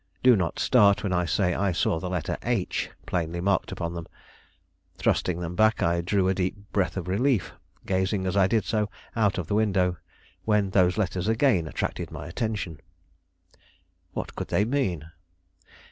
Do not start when I say I saw the letter H plainly marked upon them. Thrusting them back, I drew a deep breath of relief, gazing, as I did so, out of the window, when those letters again attracted my attention. [Illustration: (Cursive letters)] What could they mean?